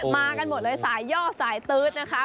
มากันหมดเลยสายย่อสายตื๊ดนะคะ